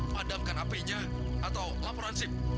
pada bukan ap nya atau laporan sim